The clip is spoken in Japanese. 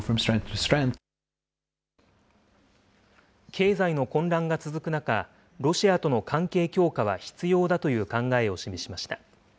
経済の混乱が続く中、ロシアとの関係強化は必要だという考えを示しました。